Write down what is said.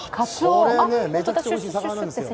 めちゃくちゃおいしい魚なんですよ。